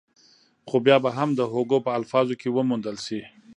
خو بيا به هم د هوګو په الفاظو کې وموندل شي.